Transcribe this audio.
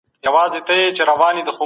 که موږ هڅه وکړو نو هدف ته به ورسیږو.